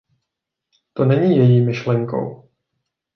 To není její myšlenkou.